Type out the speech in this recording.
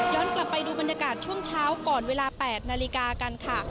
ย้อนกลับไปดูบรรยากาศช่วงเช้าก่อนเวลา๘๐๐นกันค่ะ